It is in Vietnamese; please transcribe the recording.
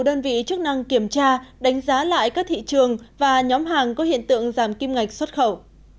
đơn vị chức năng kiểm tra đánh giá lại các thị trường và nhóm hàng có hiện tượng giảm kim ngạch xuất khẩu